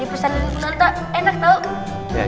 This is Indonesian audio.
di pesantren ridwan enak tau